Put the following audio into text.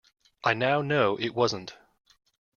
I now know it wasn't.